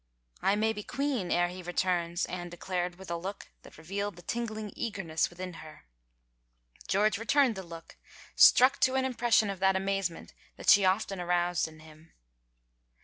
I m^y be queen e'er he returns," Anne declared with a look that revealed the tingling eagerness within her. 146 THE ENLIGHTENMENT George returned the look, struck to an expression of that amazement that she often aroused in him.